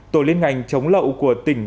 tổ liên ngành chống lậu của tỉnh